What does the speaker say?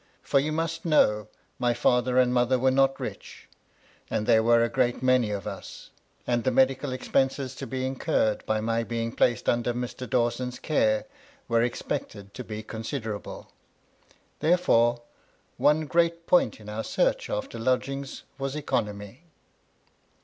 For, you must know, my &ther and mother were not rich, and there were a great many of us, and the medical expenses to be incurred by my being placed under Mr. Dawson's care were expected to be couaderable ; therefore, one great point in our search after lodgings was economy.